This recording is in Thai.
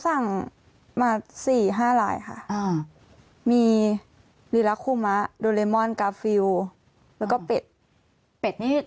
สั่งมาสี่ห้าลายค่ะอ่ามีรีลักษณ์คุมะแล้วก็เป็ดเป็ดนี่